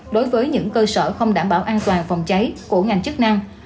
đối với những cơ sở không đảm bảo an toàn phòng cháy của ngành chức năng